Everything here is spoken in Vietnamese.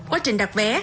quá trình đặt vé